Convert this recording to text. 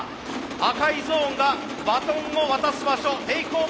赤いゾーンがバトンを渡す場所テイクオーバーゾーン。